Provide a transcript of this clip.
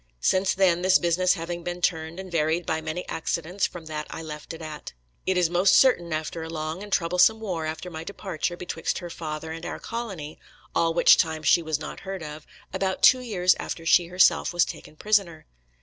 Since then this business having been turned and varied by many accidents from that I left it at. It is most certain after a long and troublesome war after my departure, betwixt her father and our colony, all which time she was not heard of, about two years after she herself was taken prisoner.